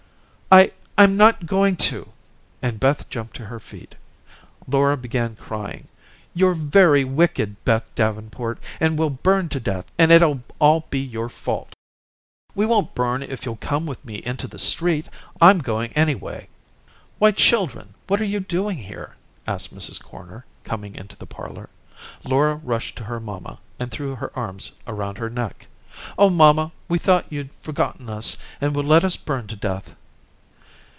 "I I'm not going to," and Beth jumped to her feet. Laura began crying: "You're very wicked, Beth Davenport, and we'll burn to death, and it'll all be your fault." "We won't burn if you'll come with me into the street. I'm going anyway." "Why, children, what are you doing here?" asked Mrs. Corner, coming into the parlor. Laura rushed to her mamma and threw her arms around her neck. "Oh, mamma, we thought you'd forgotten us, and would let us burn to death."